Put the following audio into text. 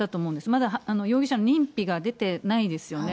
まだ容疑者の認否が出てないですよね。